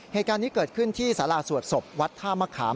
เหตุการณ์นี้เกิดขึ้นที่สาราสวดศพวัดท่ามะขาม